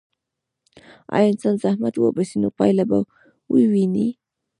که انسان زحمت وباسي، نو پایله به وویني.